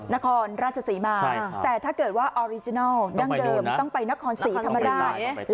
นครราชศรีมาใช่ค่ะแต่ถ้าเกิดว่าดั้งเดิมต้องไปนครศรีธรรมราช